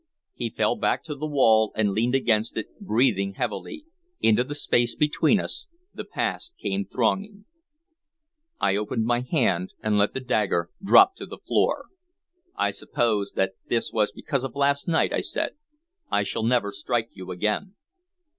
He fell back to the wall and leaned against it, breathing heavily; into the space between us the past came thronging. I opened my hand and let the dagger drop to the floor. "I suppose that this was because of last night," I said. "I shall never strike you again."